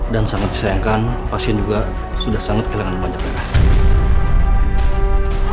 dan sangat disayangkan pasien juga sudah sangat kehilangan banyak rekan